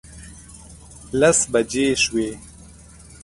لس بجې شوې.